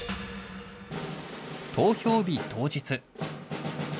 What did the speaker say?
投票日、当日。